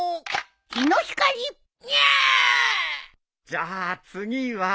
じゃあ次は。